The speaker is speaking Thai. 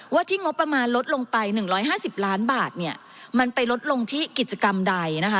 ที่งบประมาณลดลงไป๑๕๐ล้านบาทเนี่ยมันไปลดลงที่กิจกรรมใดนะคะ